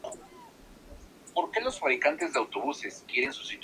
Todo el recinto está equipado con servicios adaptados para las personas con discapacidad.